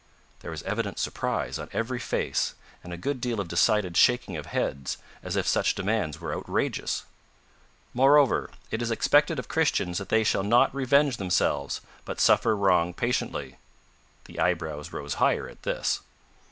There was evident surprise on every face, and a good deal of decided shaking of heads, as if such demands were outrageous. "Moreover, it is expected of Christians that they shall not revenge themselves, but suffer wrong patiently." The eyebrows rose higher at this.